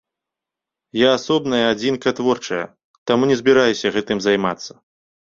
Я асобная адзінка творчая, таму не збіраюся гэтым займацца.